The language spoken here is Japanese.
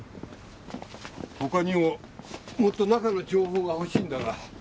他にももっと中の情報が欲しいんだが。